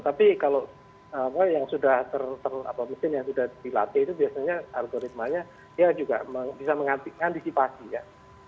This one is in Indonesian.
tapi kalau yang sudah terlalu apa mesin yang sudah dilatih itu biasanya algoritmanya ya juga bisa mengantisipasi ya